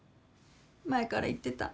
前から言ってた。